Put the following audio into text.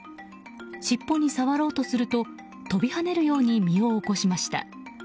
尻尾に触ろうとすると飛び跳ねるように身を起こしました。